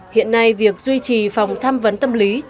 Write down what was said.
hiện nay việc duy trì phòng tham vấn tâm lý